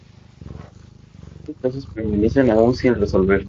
Muchos casos permanecen aún sin resolver.